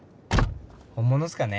本物っすかね？